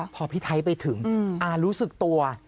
พอพี่ไทยไปถึงอารู้สึกตัว